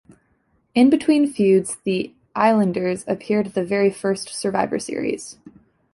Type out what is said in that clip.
In between feuds, the Islanders appeared at the very first Survivor Series.